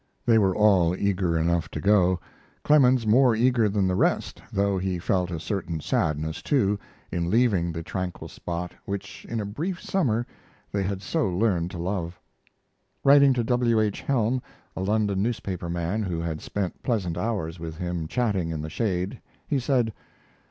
They were all eager enough to go Clemens more eager than the rest, though he felt a certain sadness, too, in leaving the tranquil spot which in a brief summer they had so learned to love. Writing to W. H. Helm, a London newspaper man who had spent pleasant hours with him chatting in the shade, he said